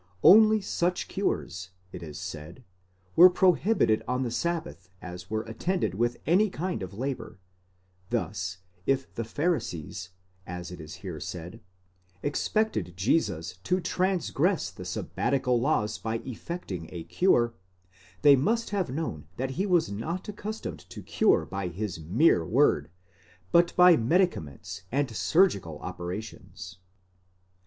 Only such cures, it is said, were prohibited on the sabbath as were attended with any kind of labour; thus, if the Pharisees, as it is here said, expected Jesus to transgress the sabbatical laws by effecting a cure, they must have known that he was not accustomed to cure by his mere word, but by medicaments and surgical operations.?